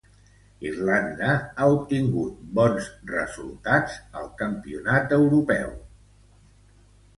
Irlanda ha obtingut bons resultats al Campionat Europeu de Polo.